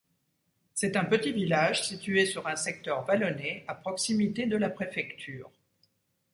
C'est un petit village situé sur un secteur vallonné à proximité de la préfecture.